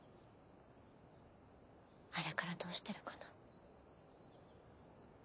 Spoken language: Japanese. あれからどうしてるかな。